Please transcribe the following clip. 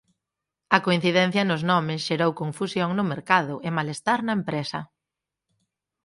A coincidencia nos nomes xerou confusión no mercado e malestar na empresa.